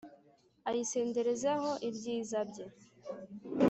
ayisenderezaho ibyiza bye;